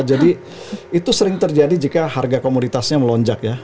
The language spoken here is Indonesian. jadi itu sering terjadi jika harga komoditasnya melonjak ya